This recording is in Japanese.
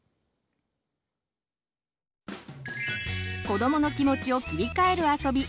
子どもの気持ちを切り替えるあそび